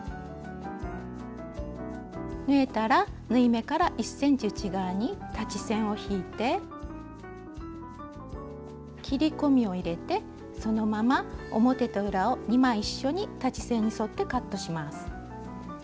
縫えたら縫い目から１ｃｍ内側に裁ち線を引いて切り込みを入れてそのまま表と裏を２枚一緒に裁ち線に沿ってカットします。